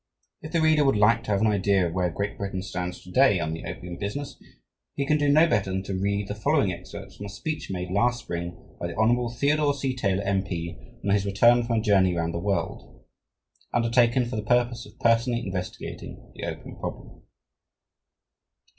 If the reader would like to have an idea of where Great Britain stands to day on the opium business, he can do no better than to read the following excerpts from a speech made last spring by the Hon. Theodore C. Taylor, M. P., on his return from a journey round the world, undertaken for the purpose of personally investigating the opium problem.